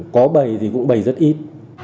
có bày thì cũng bày rất ít